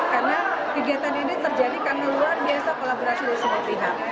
karena kegiatan ini terjadi karena luar biasa kolaborasi dari semua pihak